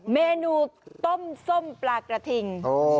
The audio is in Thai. เมนูต้มส้มปลากระทิง